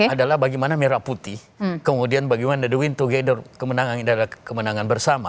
adalah bagaimana merah putih kemudian bagaimana the win together kemenangan bersama